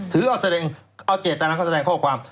ถือเอาเจตนาของการแสดงข้อความ